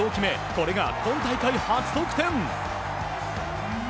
これが今大会初得点。